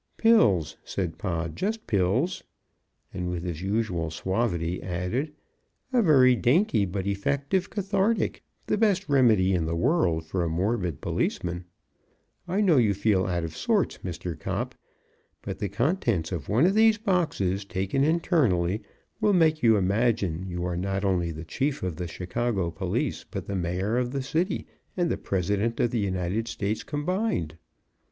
"Pills," said Pod, "just pills," and with his usual suavity added, "A very dainty but effective cathartic, the best remedy in the world for a morbid patrolman. I know you feel out of sorts, Mr. Cop, but the contents of one of these boxes taken internally will make you imagine you are not only the chief of the Chicago police but the Mayor of the city and the President of the United States combined."